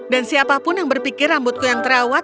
dan siapapun yang berpikir rambutku yang terawat